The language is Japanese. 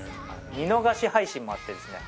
見逃し配信もあってですね